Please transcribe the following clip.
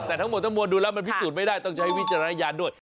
แต่ทั้งหมดทั้งมวลดูแล้วมันพิสูจน์ไม่ได้ต้องใช้วิจารณญาณด้วย